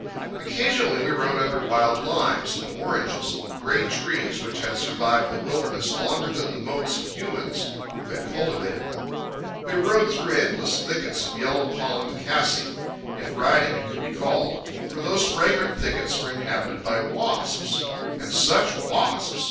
Occasionally we rode under wild limes and oranges—great trees which had survived the wilderness longer than the motes of humans who had cultivated them. We rode through endless thickets of yellow pollened cassi—if riding it could be called; for those fragrant thickets were inhabited by wasps. And such wasps!